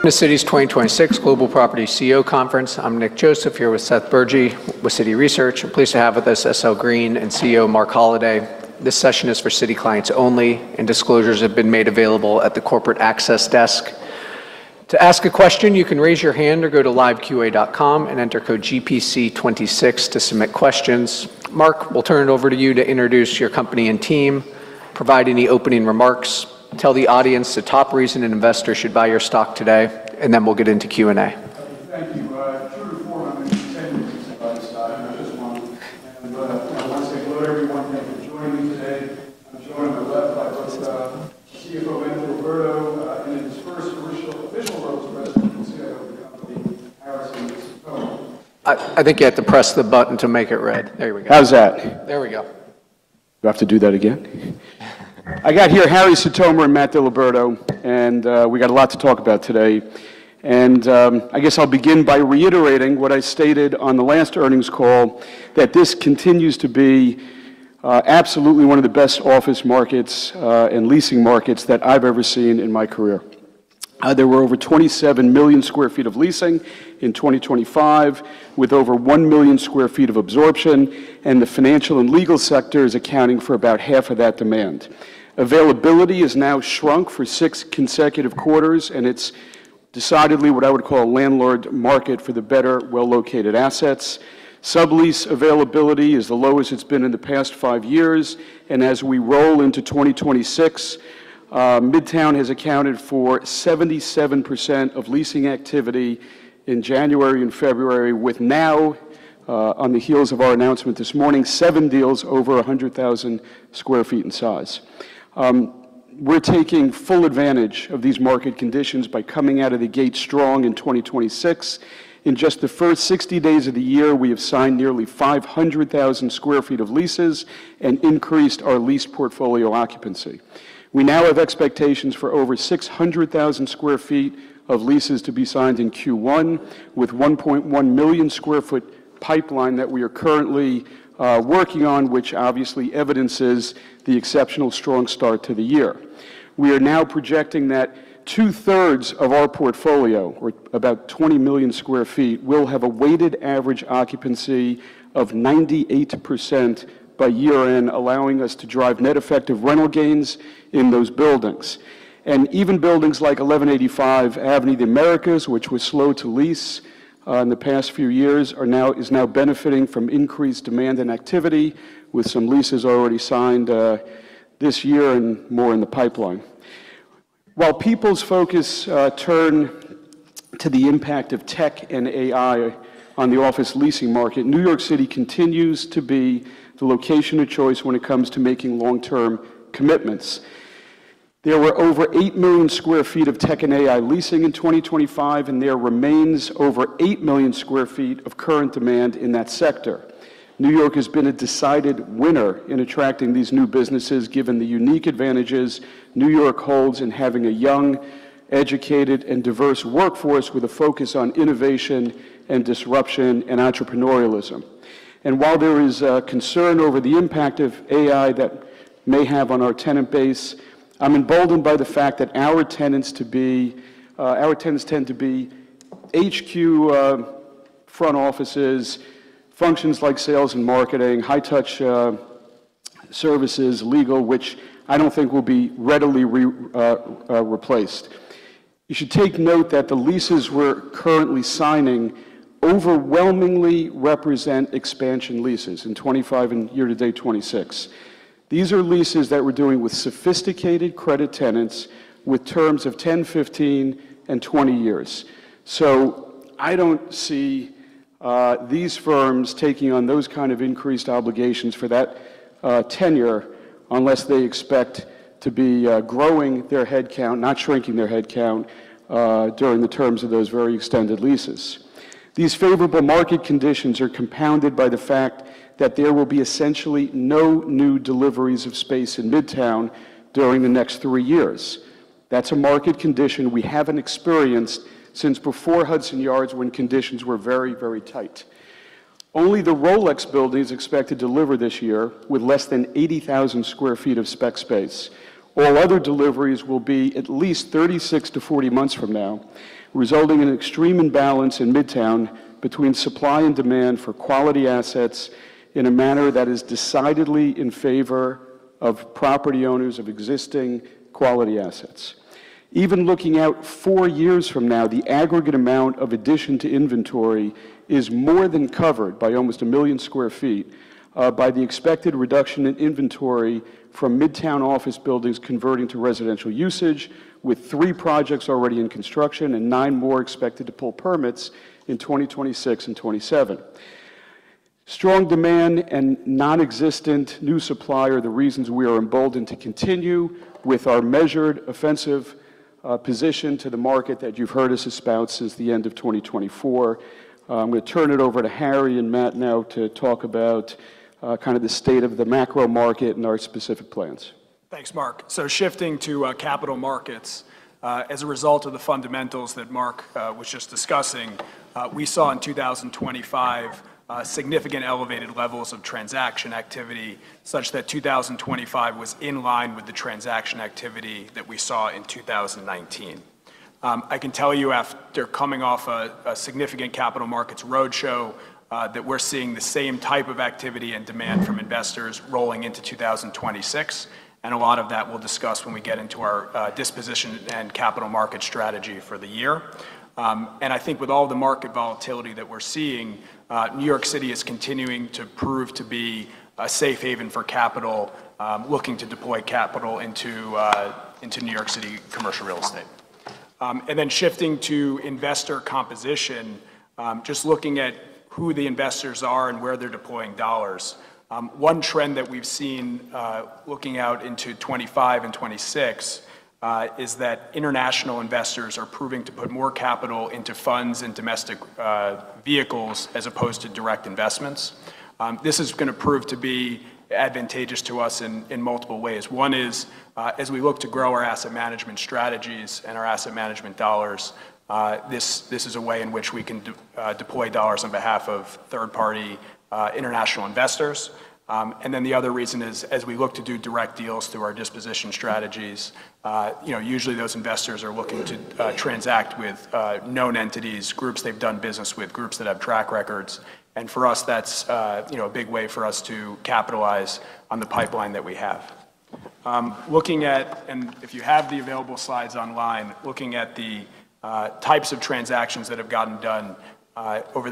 The Citi's 2026 Global Property CEO Conference. I'm Nick Joseph here with Setyan Berdzenishvili with Citi Research. I'm pleased to have with us SL Green and CEO Marc Holliday. This session is for Citi clients only, and disclosures have been made available at the corporate access desk. To ask a question, you can raise your hand or go to liveqa.com and enter code GPC26 to submit questions. Marc, we'll turn it over to you to introduce your company and team, provide any opening remarks, tell the audience the top reason an investor should buy your stock today, and then we'll get into Q&A. Thank you. 200-400 attendees, but I remember this one. I want to say hello to everyone. Thank you for joining me today. I'm joined on the left by both CFO Matthew DiLiberto and in his first official role as President and CEO of the company, Harrison Sitomer. I think you have to press the button to make it red. There we go. How's that? There we go. Do I have to do that again? I got here Harrison Sitomer and Matthew DiLiberto, we got a lot to talk about today. I guess I'll begin by reiterating what I stated on the last earnings call, that this continues to be absolutely one of the best office markets and leasing markets that I've ever seen in my career. There were over 27 million sq ft of leasing in 2025, with over one million sq ft of absorption, the financial and legal sector is accounting for about half of that demand. Availability has now shrunk for six consecutive quarters, it's decidedly what I would call a landlord market for the better well-located assets. Sublease availability is the lowest it's been in the past five years. As we roll into 2026, Midtown has accounted for 77% of leasing activity in January and February, with now, on the heels of our announcement this morning, seven deals over 100,000 sq ft in size. We're taking full advantage of these market conditions by coming out of the gate strong in 2026. In just the first 60 days of the year, we have signed nearly 500,000 sq ft of leases and increased our lease portfolio occupancy. We now have expectations for over 600,000 sq ft of leases to be signed in Q1, with 1.1 million sq ft pipeline that we are currently working on, which obviously evidences the exceptional strong start to the year. We are now projecting that two-thirds of our portfolio, or about 20 million sq ft, will have a weighted average occupancy of 98% by year-end, allowing us to drive net effective rental gains in those buildings. Even buildings like 1185 Avenue of the Americas, which was slow to lease in the past few years, is now benefiting from increased demand and activity, with some leases already signed this year and more in the pipeline. While people's focus turn to the impact of tech and AI on the office leasing market, New York City continues to be the location of choice when it comes to making long-term commitments. There were over eight million sq ft of tech and AI leasing in 2025, and there remains over eight million sq ft of current demand in that sector. New York has been a decided winner in attracting these new businesses, given the unique advantages New York holds in having a young, educated, and diverse workforce with a focus on innovation and disruption and entrepreneurialism. While there is concern over the impact of AI that may have on our tenant base, I'm emboldened by the fact that our tenants tend to be HQ front offices, functions like sales and marketing, high-touch services, legal, which I don't think will be readily replaced. You should take note that the leases we're currently signing overwhelmingly represent expansion leases in 2025 and year-to-date 2026. These are leases that we're doing with sophisticated credit tenants with terms of 10, 15, and 20 years. I don't see these firms taking on those kind of increased obligations for that tenure unless they expect to be growing their headcount, not shrinking their headcount, during the terms of those very extended leases. These favorable market conditions are compounded by the fact that there will be essentially no new deliveries of space in Midtown during the next three years. That's a market condition we haven't experienced since before Hudson Yards when conditions were very, very tight. Only the Rolex building is expected to deliver this year with less than 80,000 sq ft of spec space. All other deliveries will be at least 36-40 months from now, resulting in extreme imbalance in Midtown between supply and demand for quality assets in a manner that is decidedly in favor of property owners of existing quality assets. Even looking out four years from now, the aggregate amount of addition to inventory is more than covered by almost one million sq ft by the expected reduction in inventory from Midtown office buildings converting to residential usage, with three projects already in construction and nine more expected to pull permits in 2026 and 2027. Strong demand and non-existent new supply are the reasons we are emboldened to continue with our measured offensive position to the market that you've heard us espouse since the end of 2024. I'm going to turn it over to Harry and Matt now to talk about kind of the state of the macro market and our specific plans. Thanks, Marc. Shifting to capital markets, as a result of the fundamentals that Marc was just discussing, we saw in 2025 significant elevated levels of transaction activity such that 2025 was in line with the transaction activity that we saw in 2019. I can tell you they're coming off a significant capital markets roadshow that we're seeing the same type of activity and demand from investors rolling into 2026, and a lot of that we'll discuss when we get into our disposition and capital market strategy for the year. I think with all the market volatility that we're seeing, New York City is continuing to prove to be a safe haven for capital, looking to deploy capital into New York City commercial real estate. Shifting to investor composition, just looking at who the investors are and where they're deploying dollars. One trend that we've seen, looking out into 2025 and 2026, is that international investors are proving to put more capital into funds and domestic vehicles as opposed to direct investments. This is gonna prove to be advantageous to us in multiple ways. One is, as we look to grow our asset management strategies and our asset management dollars, this is a way in which we can deploy dollars on behalf of third-party international investors. The other reason is, as we look to do direct deals through our disposition strategies, you know, usually those investors are looking to transact with known entities, groups they've done business with, groups that have track records. For us, that's, you know, a big way for us to capitalize on the pipeline that we have. If you have the available slides online, looking at the types of transactions that have gotten done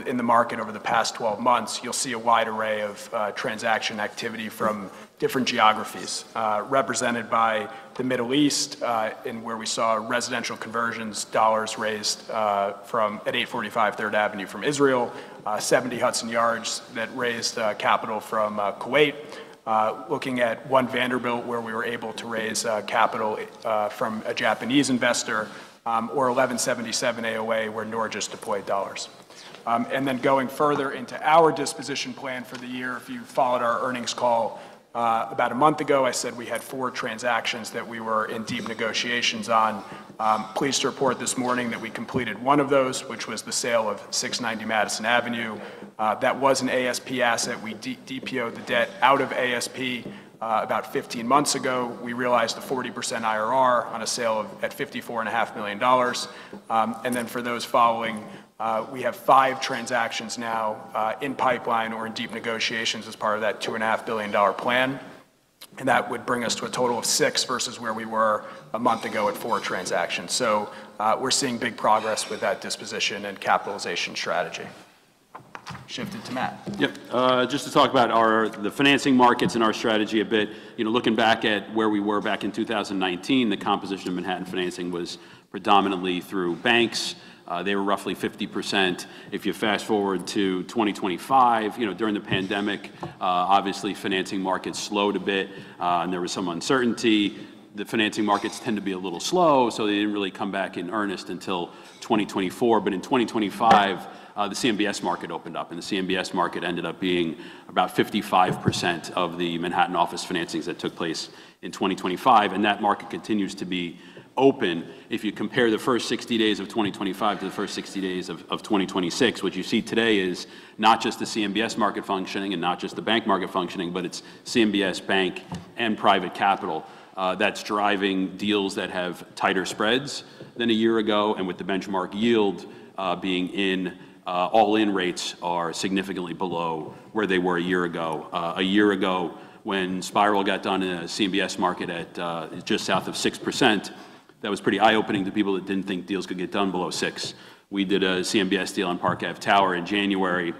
in the market over the past 12 months, you'll see a wide array of transaction activity from different geographies, represented by the Middle East, in where we saw residential conversions, $ raised from at 845 Third Avenue from Israel, 70 Hudson Yards that raised capital from Kuwait, looking at One Vanderbilt, where we were able to raise capital from a Japanese investor, or 1177 AOA, where Norges deployed $. Going further into our disposition plan for the year, if you followed our earnings call, about a month ago, I said we had four transactions that we were in deep negotiations on. Pleased to report this morning that we completed one of those, which was the sale of 690 Madison Avenue. That was an ASP asset. We DPO'd the debt out of ASP, about 15 months ago. We realized a 40% IRR on a sale at $54.5 million. For those following, we have five transactions now in pipeline or in deep negotiations as part of that $2.5 billion plan. That would bring us to a total of six versus where we were a month ago at four transactions. We're seeing big progress with that disposition and capitalization strategy. Shift it to Matt. Yep. Just to talk about the financing markets and our strategy a bit. You know, looking back at where we were back in 2019, the composition of Manhattan financing was predominantly through banks. They were roughly 50%. If you fast-forward to 2025, you know, during the pandemic, obviously financing markets slowed a bit, and there was some uncertainty. The financing markets tend to be a little slow, they didn't really come back in earnest until 2024. In 2025, the CMBS market opened up, and the CMBS market ended up being about 55% of the Manhattan office financings that took place in 2025, and that market continues to be open. If you compare the first 60 days of 2025 to the first 60 days of 2026, what you see today is not just the CMBS market functioning and not just the bank market functioning, but it's CMBS bank and private capital that's driving deals that have tighter spreads than a year ago. With the benchmark yield being in, all-in rates are significantly below where they were a year ago. A year ago, when Spiral got done in a CMBS market at just south of 6%, that was pretty eye-opening to people that didn't think deals could get done below six. We did a CMBS deal on Park Ave Tower in January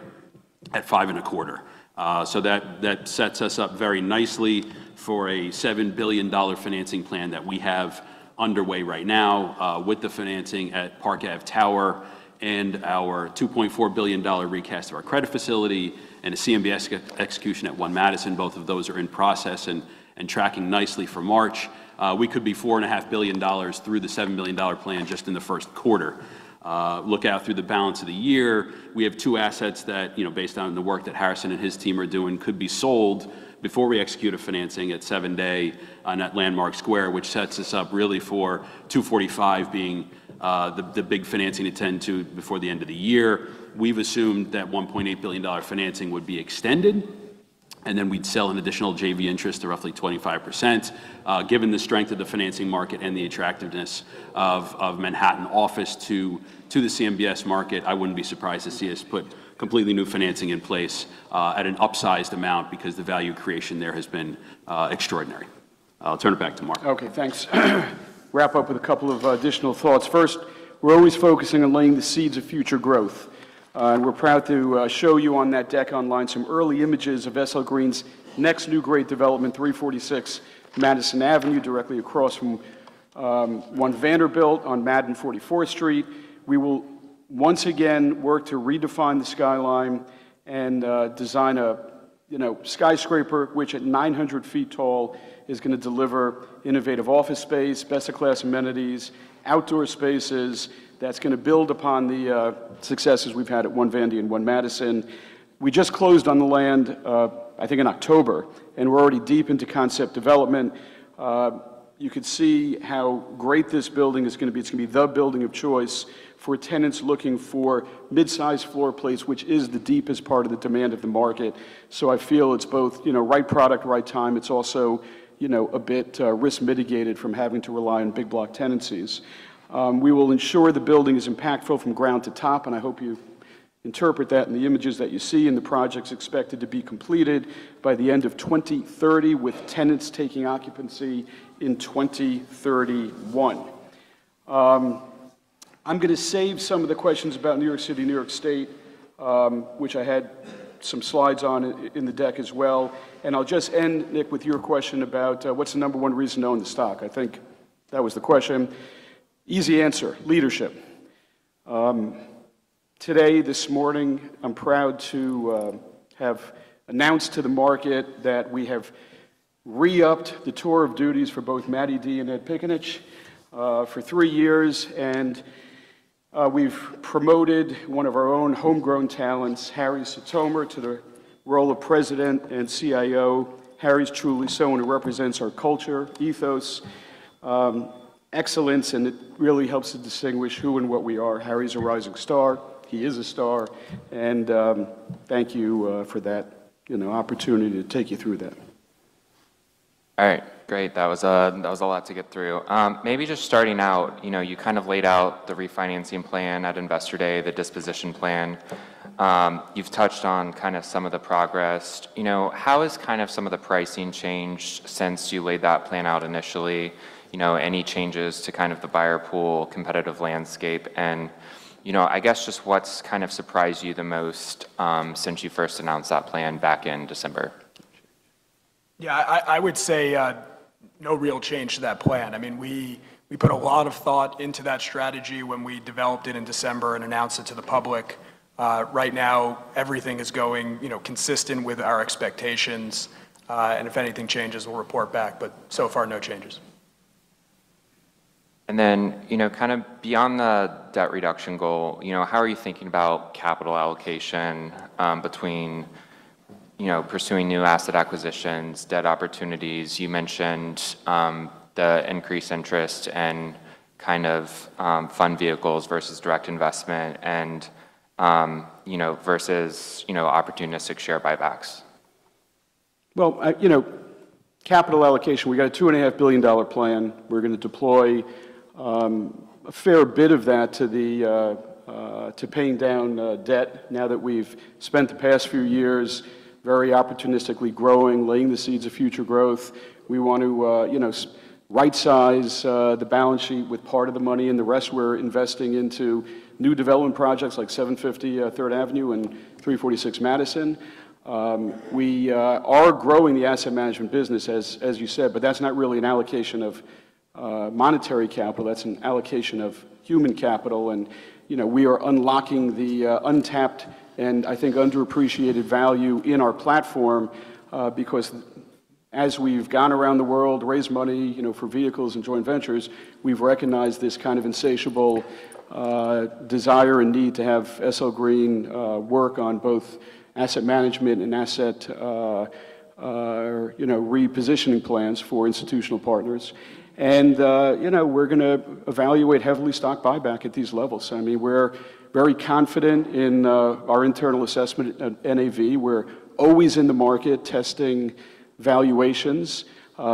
at five and a quarter. That sets us up very nicely for a $7 billion financing plan that we have underway right now, with the financing at Park Ave Tower and our $2.4 billion recast of our credit facility and a CMBS execution at One Madison. Both of those are in process and tracking nicely for March. We could be $4.5 billion through the $7 billion plan just in the first quarter. Look out through the balance of the year, we have two assets that, you know, based on the work that Harrison and his team are doing, could be sold before we execute a financing at Seven Landmark Square, which sets us up really for 245 being, the big financing to tend to before the end of the year. We've assumed that $1.8 billion financing would be extended, and then we'd sell an additional JV interest of roughly 25%. Given the strength of the financing market and the attractiveness of Manhattan office to the CMBS market, I wouldn't be surprised to see us put completely new financing in place at an upsized amount because the value creation there has been extraordinary. I'll turn it back to Marc. Okay, thanks. Wrap up with a couple of additional thoughts. First, we're always focusing on laying the seeds of future growth, and we're proud to show you on that deck online some early images of SL Green's next new great development, 346 Madison Avenue, directly across from One Vanderbilt on Madison and 44th Street. We will once again work to redefine the skyline and design a, you know, skyscraper which at 900 feet tall is gonna deliver innovative office space, best-in-class amenities, outdoor spaces. That's gonna build upon the successes we've had at One Vandy and One Madison. We just closed on the land, I think in October, and we're already deep into concept development. You could see how great this building is going to be. It's going to be the building of choice for tenants looking for mid-sized floor plates, which is the deepest part of the demand of the market. I feel it's both, you know, right product, right time. It's also, you know, a bit risk mitigated from having to rely on big block tenancies. We will ensure the building is impactful from ground to top, and I hope you interpret that in the images that you see in the projects expected to be completed by the end of 2030 with tenants taking occupancy in 2031. I'm going to save some of the questions about New York City, New York State, which I had some slides on in the deck as well. I'll just end, Nick, with your question about what's the number one reason to own the stock. I think that was the question. Easy answer, leadership. Today, this morning, I'm proud to have announced to the market that we have re-upped the tour of duties for both Matty D and Edward Piccinich for three years. We've promoted one of our own homegrown talents, Harrison Sitomer, to the role of President and CIO. Harry's truly someone who represents our culture, ethos, excellence, and it really helps to distinguish who and what we are. Harry's a rising star. He is a star. Thank you for that opportunity to take you through that. All right, great. That was a lot to get through. Maybe just starting out, you know, you kind of laid out the refinancing plan at Investor Day, the disposition plan. You've touched on kind of some of the progress. You know, how has kind of some of the pricing changed since you laid that plan out initially? You know, any changes to kind of the buyer pool, competitive landscape? You know, I guess just what's kind of surprised you the most since you first announced that plan back in December? Yeah, I would say no real change to that plan. I mean, we put a lot of thought into that strategy when we developed it in December and announced it to the public. Right now, everything is going, you know, consistent with our expectations. If anything changes, we'll report back. So far, no changes. Then, you know, kind of beyond the debt reduction goal, you know, how are you thinking about capital allocation between, you know, pursuing new asset acquisitions, debt opportunities, you mentioned the increased interest and kind of fund vehicles versus direct investment, and, you know, versus, you know, opportunistic share buybacks? Well, you know, capital allocation, we've got a $2.5 billion plan. We're going to deploy a fair bit of that to paying down debt now that we've spent the past few years very opportunistically growing, laying the seeds of future growth. We want to, you know, right size the balance sheet with part of the money and the rest we're investing into new development projects like 750 Third Avenue and 346 Madison. We are growing the asset management business, as you said, but that's not really an allocation of monetary capital. That's an allocation of human capital. You know, we are unlocking the untapped and I think underappreciated value in our platform because as we've gone around the world, raised money, you know, for vehicles and joint ventures, we've recognized this kind of insatiable desire and need to have SL Green work on both asset management and asset, you know, repositioning plans for institutional partners. You know, we're going to evaluate heavily stock buyback at these levels. I mean, we're very confident in our internal assessment at NAV. We're always in the market testing valuations.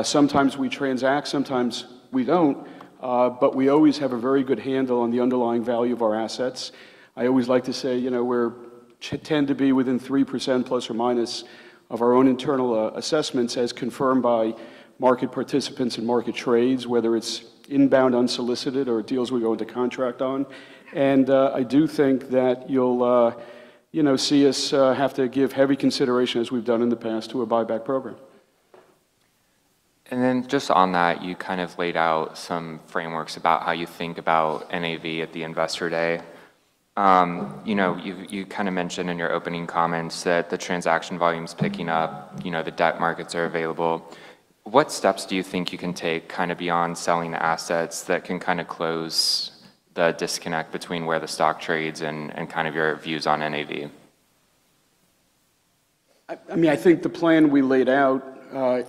Sometimes we transact, sometimes we don't, but we always have a very good handle on the underlying value of our assets. I always like to say, you know, we tend to be within 3% plus or minus of our own internal assessments as confirmed by market participants and market trades, whether it's inbound unsolicited or deals we go into contract on. I do think that you'll, you know, see us have to give heavy consideration as we've done in the past to a buyback program. Just on that, you kind of laid out some frameworks about how you think about NAV at the investor day. You know, you kind of mentioned in your opening comments that the transaction volume is picking up, you know, the debt markets are available. What steps do you think you can take kind of beyond selling the assets that can kind of close the disconnect between where the stock trades and kind of your views on NAV? I mean, I think the plan we laid out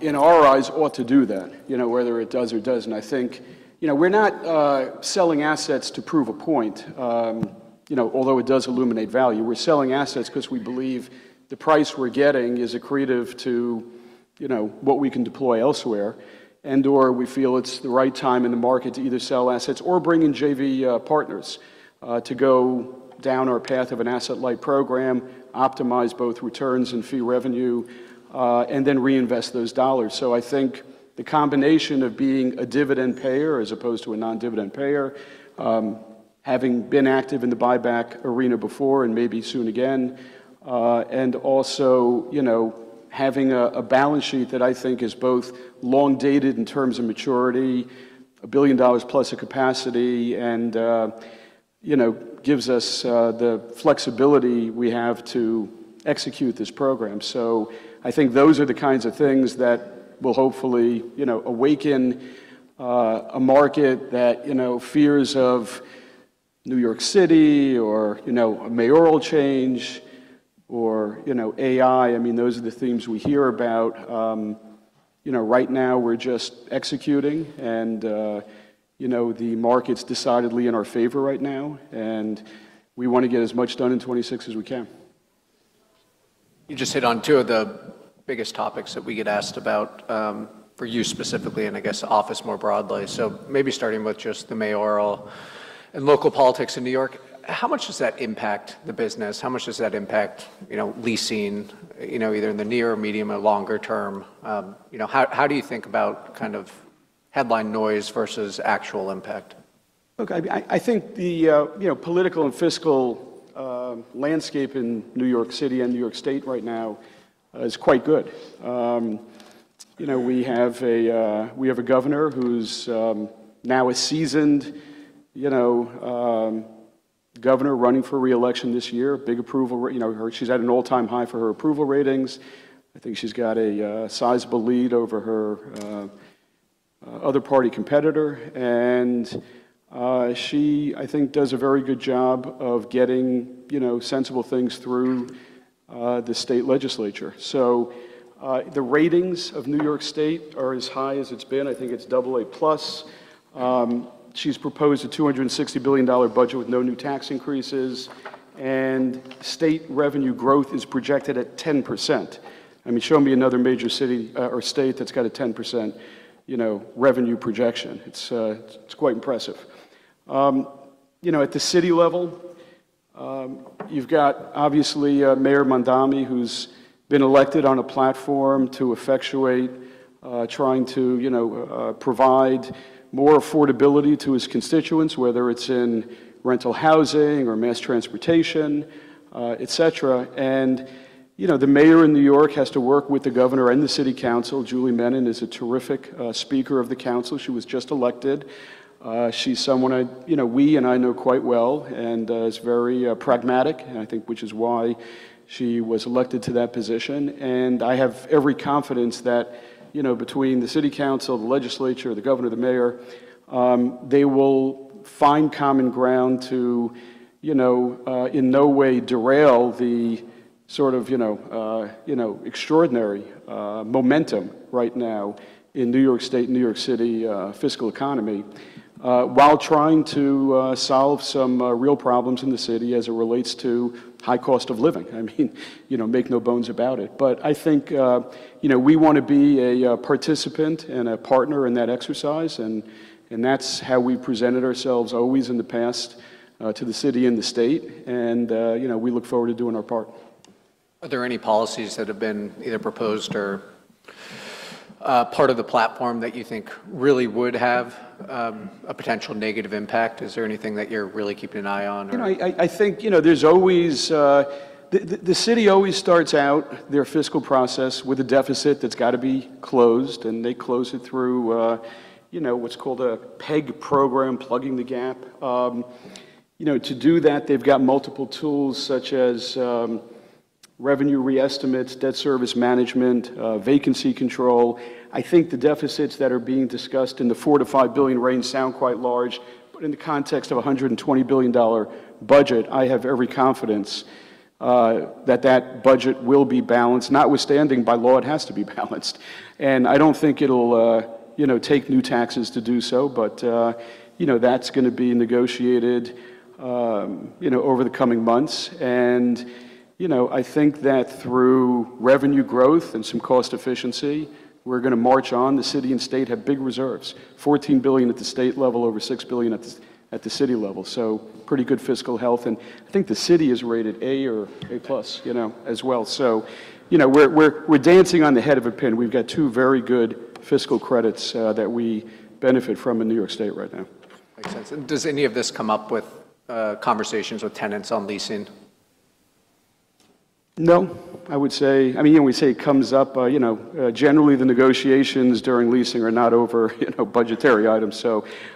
in our eyes ought to do that, you know, whether it does or doesn't. I think, you know, we're not selling assets to prove a point, you know, although it does illuminate value. We're selling assets because we believe the price we're getting is accretive to, you know, what we can deploy elsewhere and or we feel it's the right time in the market to either sell assets or bring in JV partners to go down our path of an asset-like program, optimize both returns and fee revenue, and then reinvest those dollars. I think the combination of being a dividend payer as opposed to a non-dividend payer, having been active in the buyback arena before and maybe soon again, and also, you know, having a balance sheet that I think is both long-dated in terms of maturity, $1 billion plus a capacity, and, you know, gives us the flexibility we have to execute this program. I think those are the kinds of things that will hopefully, you know, awaken a market that, you know, fears of New York City or, you know, a mayoral change or, you know, AI. I mean, those are the themes we hear about. You know, right now we're just executing and, you know, the market's decidedly in our favor right now, and we wanna get as much done in 26 as we can. You just hit on two of the biggest topics that we get asked about, for you specifically, and I guess office more broadly. Maybe starting with just the mayoral and local politics in New York, how much does that impact the business? How much does that impact, you know, leasing, you know, either in the near, medium, or longer term? You know, how do you think about kind of headline noise versus actual impact? Look, I think the, you know, political and fiscal landscape in New York City and New York State right now is quite good. You know, we have a governor who's now a seasoned, you know, governor running for re-election this year. Big approval, you know, she's at an all-time high for her approval ratings. I think she's got a sizable lead over her other party competitor. She, I think, does a very good job of getting, you know, sensible things through the state legislature. The ratings of New York State are as high as it's been. I think it's double A plus. She's proposed a $260 billion budget with no new tax increases, and state revenue growth is projected at 10%. I mean, show me another major city, or state that's got a 10%, you know, revenue projection. It's quite impressive. You know, at the city level, you've got obviously, Zohran Mamdani, who's been elected on a platform to effectuate, trying to, you know, provide more affordability to his constituents, whether it's in rental housing or mass transportation, etc. You know, the Mayor in New York has to work with the governor and the City Council. Julie Menin is a terrific, Speaker of the Council. She was just elected. She's someone I, you know, we and I know quite well and, is very, pragmatic, and I think which is why she was elected to that position. I have every confidence that, you know, between the City Council, the Legislature, the Governor, the Mayor, they will find common ground to, you know, in no way derail the sort of, you know, extraordinary momentum right now in New York State and New York City fiscal economy while trying to solve some real problems in the city as it relates to high cost of living. I mean, you know, make no bones about it. I think, you know, we wanna be a participant and a partner in that exercise and, that's how we presented ourselves always in the past to the city and the state and, you know, we look forward to doing our part. Are there any policies that have been either proposed or, part of the platform that you think really would have, a potential negative impact? Is there anything that you're really keeping an eye on or? You know, I think, you know, there's always. The city always starts out their fiscal process with a deficit that's gotta be closed, and they close it through, you know, what's called a PEG program, plugging the gap. You know, to do that, they've got multiple tools such as revenue re-estimates, debt service management, vacancy control. I think the deficits that are being discussed in the $4 billion-$5 billion range sound quite large, but in the context of a $120 billion budget, I have every confidence that budget will be balanced, notwithstanding by law it has to be balanced. I don't think it'll, you know, take new taxes to do so, but, you know, that's gonna be negotiated, you know, over the coming months. You know, I think that through revenue growth and some cost efficiency, we're gonna march on. The city and state have big reserves, $14 billion at the state level, over $6 billion at the city level. Pretty good fiscal health, and I think the city is rated A or A+, you know, as well. You know, we're dancing on the head of a pin. We've got two very good fiscal credits that we benefit from in New York State right now. Makes sense. Does any of this come up with, conversations with tenants on leasing? No. I would say, I mean, you know, we say it comes up, you know, generally the negotiations during leasing are not over, you know, budgetary items.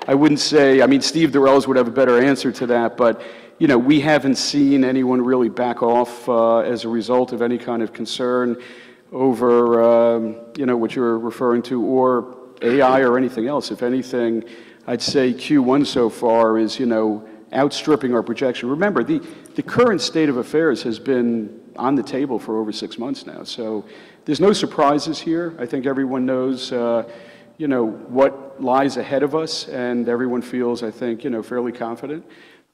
I wouldn't say... I mean, Steven Durels would have a better answer to that. You know, we haven't seen anyone really back off as a result of any kind of concern over what you're referring to or AI or anything else. If anything, I'd say Q1 so far is, you know, outstripping our projection. Remember, the current state of affairs has been on the table for over six months now, so there's no surprises here. I think everyone knows what lies ahead of us and everyone feels, I think, you know, fairly confident.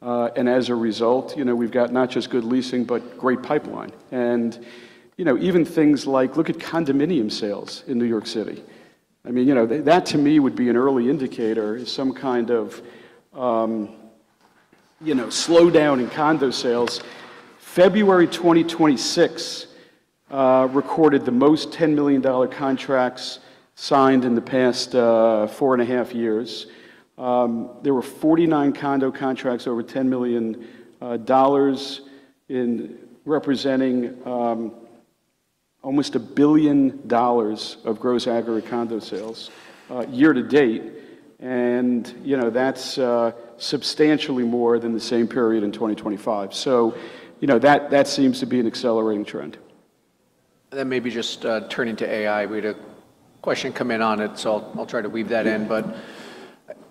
As a result, you know, we've got not just good leasing, but great pipeline and, you know, even things like look at condominium sales in New York City. I mean, you know, that to me would be an early indicator is some kind of, you know, slowdown in condo sales. February 2026 recorded the most $10 million dollar contracts signed in the past, four and a half years. There were 49 condo contracts over $10 million in representing almost $1 billion of gross aggregate condo sales year to date. You know, that's substantially more than the same period in 2025. You know, that seems to be an accelerating trend. Maybe just, turning to AI, we had a question come in on it, so I'll try to weave that in.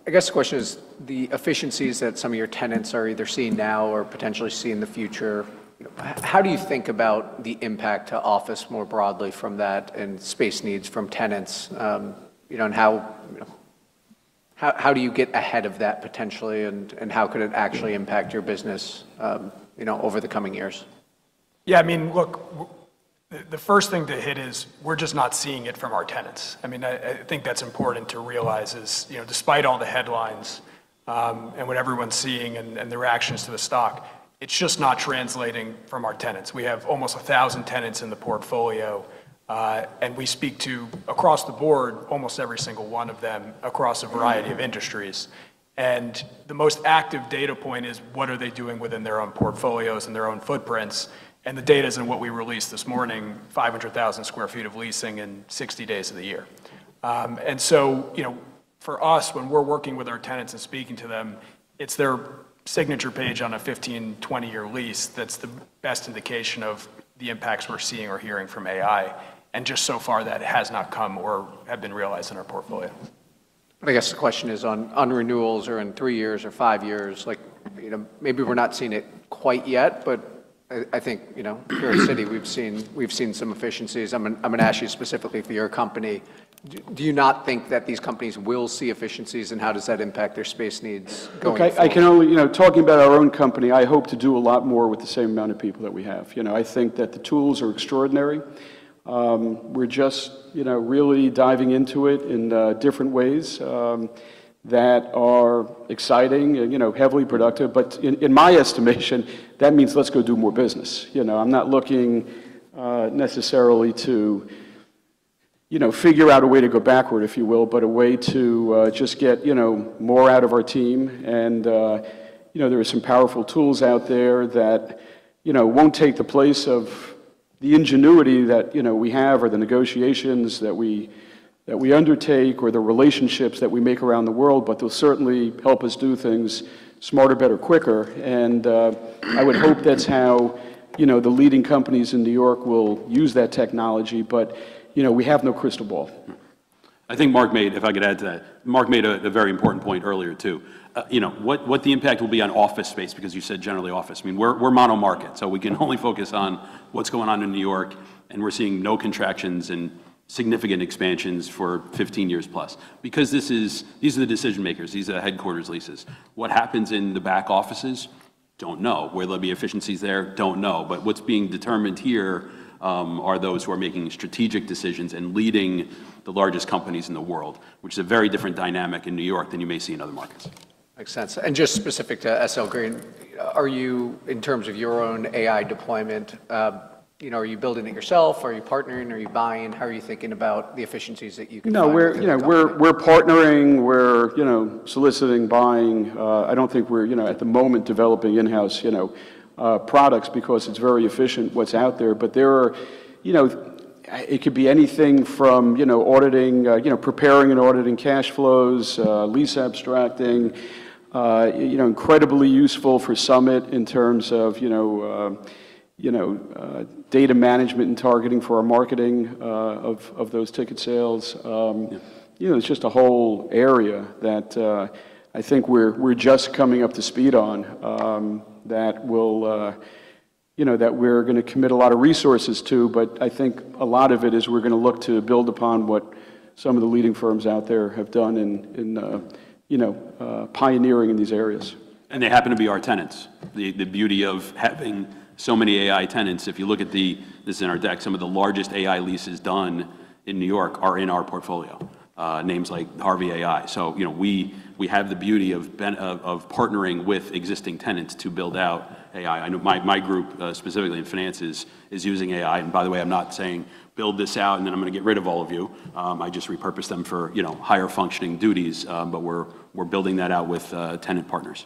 I guess the question is the efficiencies that some of your tenants are either seeing now or potentially see in the future, you know, how do you think about the impact to office more broadly from that and space needs from tenants, you know, and how do you get ahead of that potentially, and how could it actually impact your business, you know, over the coming years? Yeah, I mean, look, the first thing to hit is we're just not seeing it from our tenants. I mean, I think that's important to realize is, you know, despite all the headlines, and what everyone's seeing and the reactions to the stock, it's just not translating from our tenants. We have almost 1,000 tenants in the portfolio, and we speak to, across the board, almost every single one of them across a variety of industries. The most active data point is what are they doing within their own portfolios and their own footprints, and the data's in what we released this morning, 500,000 sq ft of leasing in 60 days of the year. you know, for us, when we're working with our tenants and speaking to them, it's their signature page on a 15, 20 year lease that's the best indication of the impacts we're seeing or hearing from AI. Just so far, that has not come or have been realized in our portfolio. I guess the question is on renewals or in three years or five years, like, you know, maybe we're not seeing it quite yet, but I think, you know, here at Citi, we've seen some efficiencies. I'm gonna ask you specifically for your company. Do you not think that these companies will see efficiencies, and how does that impact their space needs going forward? Look, I can only, you know, talking about our own company, I hope to do a lot more with the same amount of people that we have. You know, I think that the tools are extraordinary. We're just, you know, really diving into it in different ways that are exciting and, you know, heavily productive. In my estimation, that means let's go do more business. You know, I'm not looking necessarily to, you know, figure out a way to go backward, if you will, but a way to just get, you know, more out of our team. You know, there are some powerful tools out there that, you know, won't take the place of the ingenuity that, you know, we have or the negotiations that we undertake or the relationships that we make around the world, but they'll certainly help us do things smarter, better, quicker. I would hope that's how, you know, the leading companies in New York will use that technology. You know, we have no crystal ball. I think Marc, if I could add to that, Marc made a very important point earlier too. You know, what the impact will be on office space because you said generally office. I mean, we're mono market, so we can only focus on what's going on in New York, and we're seeing no contractions and significant expansions for 15 years plus. Because these are the decision makers. These are the headquarters leases. What happens in the back offices? Don't know. Will there be efficiencies there? Don't know. What's being determined here, are those who are making strategic decisions and leading the largest companies in the world, which is a very different dynamic in New York than you may see in other markets. Makes sense. Just specific to SL Green, are you, in terms of your own AI deployment, you know, are you building it yourself? Are you partnering? Are you buying? How are you thinking about the efficiencies that you can find with it going forward? No, we're, you know, we're partnering. We're, you know, soliciting, buying. I don't think we're, you know, at the moment developing in-house, you know, products because it's very efficient what's out there. There are, you know, it could be anything from, you know, auditing, you know, preparing and auditing cash flows, lease abstracting, you know, incredibly useful for Summit in terms of, you know, data management and targeting for our marketing, of those ticket sales. You know, it's just a whole area that I think we're just coming up to speed on, that we'll, you know, that we're gonna commit a lot of resources to. I think a lot of it is we're gonna look to build upon what some of the leading firms out there have done in, you know, pioneering in these areas. They happen to be our tenants. The beauty of having so many AI tenants, if you look at this in our deck, some of the largest AI leases done in New York are in our portfolio, names like Harvey AI. You know, we have the beauty of partnering with existing tenants to build out AI. I know my group, specifically in finances is using AI. By the way, I'm not saying build this out, and then I'm gonna get rid of all of you. I just repurpose them for, you know, higher functioning duties. We're building that out with tenant partners.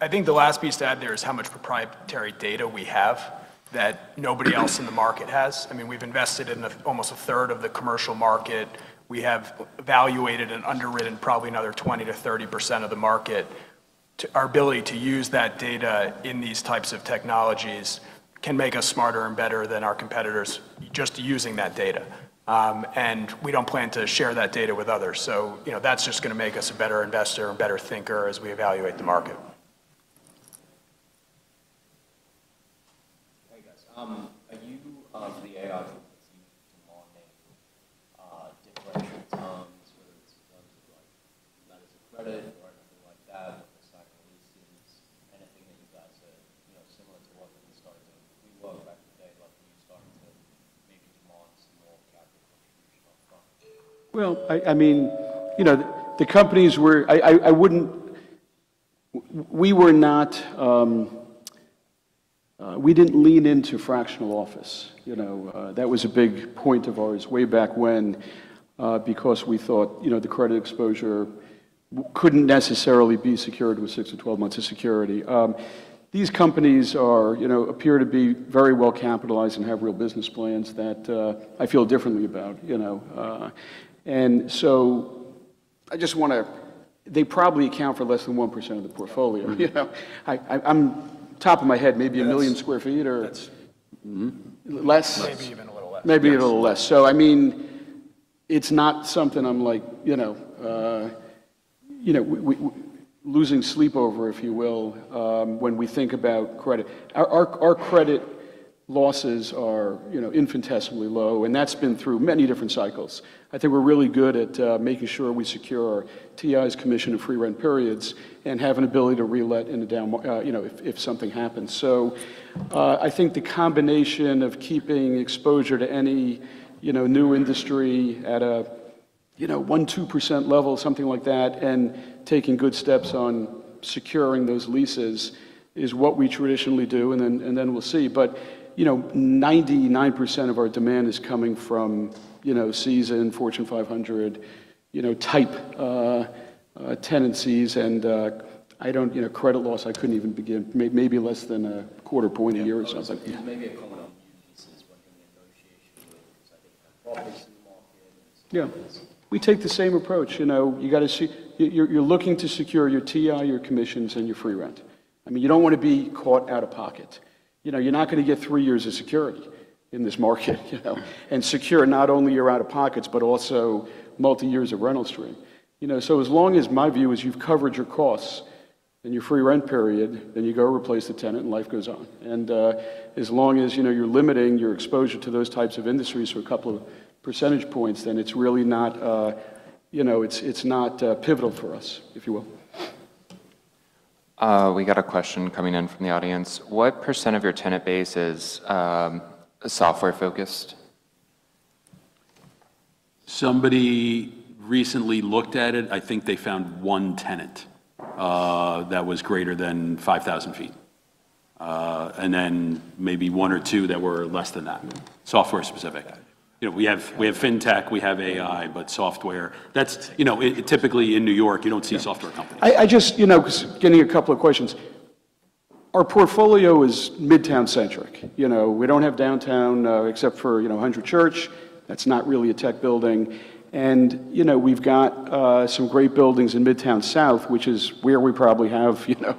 I think the last piece to add there is how much proprietary data we have that nobody else in the market has. I mean, we've invested in almost a third of the commercial market. We have evaluated and underwritten probably another 20% to 30% of the market. Our ability to use that data in these types of technologies can make us smarter and better than our competitors just using that data. We don't plan to share that data with others. You know, that's just gonna make us a better investor and better thinker as we evaluate the market. Hey, guys. Are you the AI team demanding different terms, whether it's in terms of like letters of credit or anything like that with the cycle leases? Anything that you guys have, you know, similar to what we started doing with WeWork back in the day? Like, are you starting to maybe demand some more capital from your new storefronts? Well, I mean, you know, the companies. I wouldn't. We were not. We didn't lean into fractional office. You know, that was a big point of ours way back when, because we thought, you know, the credit exposure couldn't necessarily be secured with six to 12 months of security. These companies are, you know, appear to be very well capitalized and have real business plans that I feel differently about, you know? I just wanna. They probably account for less than 1% of the portfolio. You know? I'm, top of my head, maybe. Yes... one million sq ft That's- Less? Less. Maybe even a little less. Maybe a little less. Yes. I mean, it's not something I'm like, you know, you know, losing sleep over, if you will, when we think about credit. Our credit losses are, you know, infinitesimally low, and that's been through many different cycles. I think we're really good at making sure we secure our TIs, commission and free rent periods, and have an ability to relet in a downma-, you know, if something happens. I think the combination of keeping exposure to any, you know, new industry at a, you know, 1%, 2% level, something like that, and taking good steps on securing those leases is what we traditionally do, and then we'll see. You know, 99% of our demand is coming from, you know, season Fortune 500, you know, type tenancies. I don't, you know, credit loss, I couldn't even begin. Maybe less than a quarter point a year or something. Yeah. Yeah. There may be a couple of new pieces when you're negotiation with certain properties in the market, certain pieces. Yeah. We take the same approach. You know, you're looking to secure your TI, your commissions and your free rent. I mean, you don't wanna be caught out of pocket. You know, you're not gonna get three years of security in this market you know? Secure not only your out-of-pockets, but also multiyears of rental stream. You know, as long as my view is you've covered your costs and your free rent period, then you go replace the tenant and life goes on. As long as, you know, you're limiting your exposure to those types of industries for a couple of percentage points, then it's really not, you know, it's not pivotal for us, if you will. We got a question coming in from the audience. What % of your tenant base is software focused? Somebody recently looked at it. I think they found one tenant that was greater than 5,000 feet. Maybe one or two that were less than that, software specific. You know, we have fintech, we have AI, but software. That's, you know, typically in New York, you don't see software companies. I just, you know, 'cause getting two questions. Our portfolio is Midtown-centric. You know, we don't have downtown, except for, you know, 100 Church. That's not really a tech building. You know, we've got some great buildings in Midtown South, which is where we probably have, you know,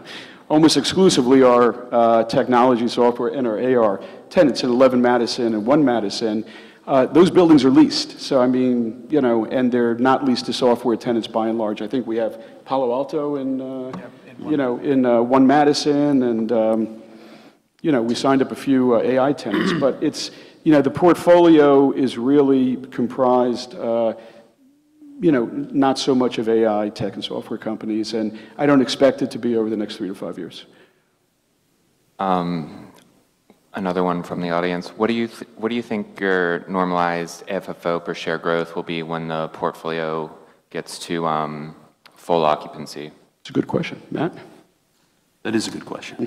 almost exclusively our technology, software and our AR tenants at 11 Madison and 1 Madison. Those buildings are leased, so I mean, you know. They're not leased to software tenants by and large. I think we have Palo Alto in. Yeah, in 1 Madison.... you know, in, 1 Madison, and, you know, we signed up a few, AI tenants. It's, you know, the portfolio is really comprised, you know, not so much of AI, tech and software companies, and I don't expect it to be over the next three to five years. Another one from the audience. What do you think your normalized FFO per share growth will be when the portfolio gets to full occupancy? That's a good question. Matt? That is a good question.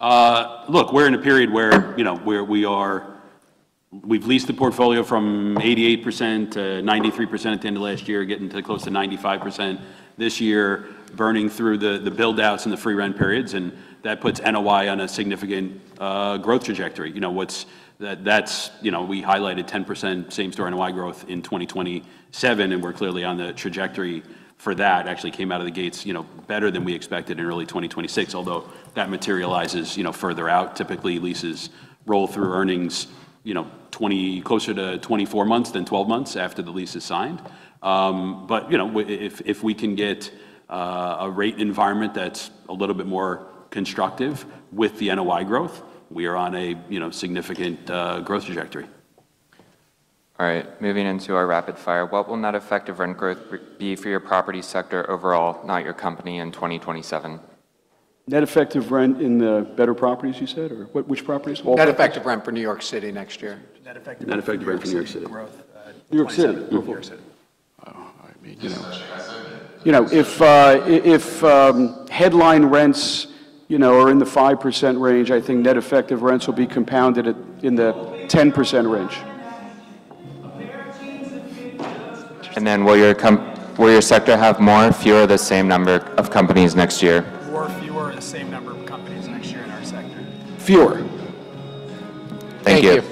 Mm-hmm. Look, we're in a period where, you know, we've leased the portfolio from 88% to 93% at the end of last year, getting to close to 95% this year, burning through the build outs and the free rent periods. That puts NOI on a significant growth trajectory. You know, that's, you know, we highlighted 10% same store NOI growth in 2027. We're clearly on the trajectory for that. Actually came out of the gates, you know, better than we expected in early 2026, although that materializes, you know, further out. Typically, leases roll through earnings, you know, 20, closer to 24 months than 12 months after the lease is signed. You know, if we can get a rate environment that's a little bit more constructive with the NOI growth, we are on a, you know, significant growth trajectory. All right. Moving into our rapid fire. What will net effective rent growth be for your property sector overall, not your company, in 2027? Net effective rent in the better properties you said, or what, which properties? All- Net effective rent for New York City next year. Net effective rent for New York City growth, 2027. New York City. New York City. I mean, you know, if headline rents, you know, are in the 5% range. I think net effective rents will be compounded in the 10% range. Will your sector have more, fewer or the same number of companies next year? More, fewer or the same number of companies next year in our sector? Fewer. Thank you.